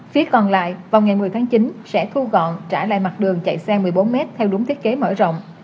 phía còn lại vào ngày một mươi tháng chín sẽ thu gọn trả lại mặt đường chạy xe một mươi bốn m theo đúng thiết kế mở rộng